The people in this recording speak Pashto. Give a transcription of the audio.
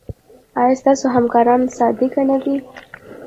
ایا ستاسو همکاران صادق نه دي؟